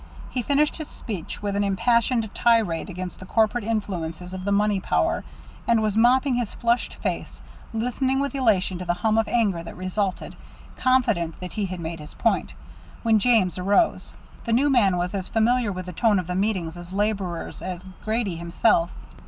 He finished his speech with an impassioned tirade against the corrupt influences of the money power, and was mopping his flushed face, listening with elation to the hum of anger that resulted, confident that he had made his point, when James arose. The new man was as familiar with the tone of the meetings of laborers as Grady himself.